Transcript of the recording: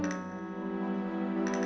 ya ya gak